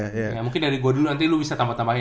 ya mungkin dari gua dulu nanti lu bisa tambah tambahin